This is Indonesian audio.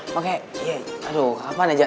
makanya ya aduh kapan ya